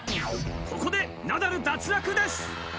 ここでナダル脱落です